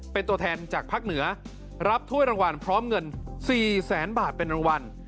เป็นตัวแทนจากภาคเหนือรับถ้วยรางวัลพร้อมเงิน๔แสนบาทเป็นรางวัล